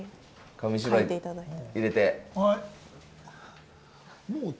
紙芝居入れて。